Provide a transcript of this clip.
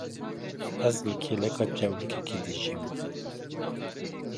Ez li kêleka çewlikekê dijîm.